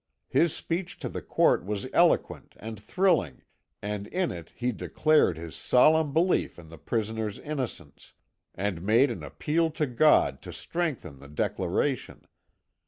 His speech to the court was eloquent and thrilling, and in it he declared his solemn belief in the prisoner's innocence, and made an appeal to God to strengthen the declaration.